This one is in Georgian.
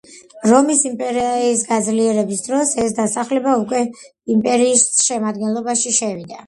რომის იმპერიის გაძლიერების დროს, ეს დასახლება უკვე იმპერიის შემადგენლობაში შევიდა.